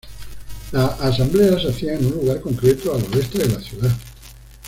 Las asambleas se hacían en un lugar concreto al oeste de la ciudad.